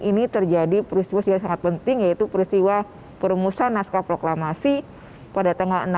ini terjadi peristiwa sangat penting yaitu peristiwa perumusan naska proklamasi pada